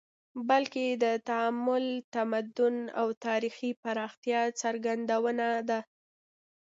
بلکې د تعامل، تمدن او تاریخي پراختیا څرګندونه ده